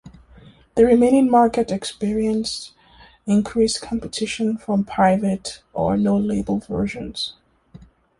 The remaining market experienced increased competition from private- or no-label versions.